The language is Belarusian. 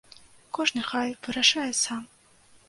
Кожны хай вырашае сам.